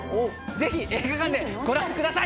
ぜひ映画館でご覧ください。